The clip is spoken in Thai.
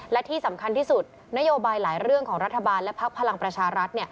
และที่สำคัญที่สุดนโยบายหลายเรื่องของรัฐบาลและพักพลังประชารัฐ